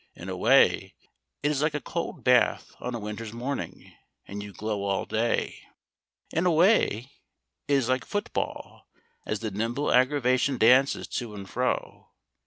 In a way it is like a cold bath on a winter's morning, and you glow all day. In a way it is like football, as the nimble aggravation dances to and fro.